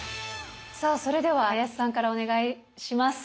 さあそれでは林さんからお願いします。